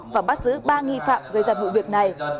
và bắt giữ ba nghi phạm gây ra vụ việc này